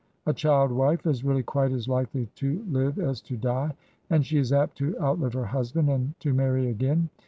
A child wife is really quite as likely to live as to die; and she is apt to outlive her husband and to marry again.